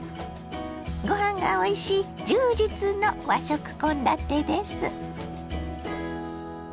ごはんがおいしい充実の和食献立です。